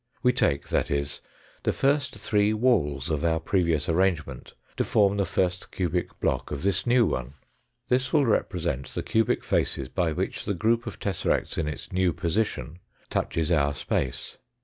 We take, that is, the three first walls of our previous arrangement to form the first cubic block of this new one. This will represent the cubic faces by which the group of tesseracts in its new position touches our space.